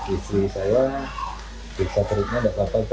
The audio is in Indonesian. istri saya diperiksa perutnya tidak apa apa